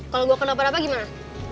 kalo gue kena pada apa gimana